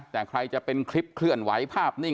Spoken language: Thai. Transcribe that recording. แต่ใครจะเป็นคลิปเคลื่อนไหวภาพนิ่ง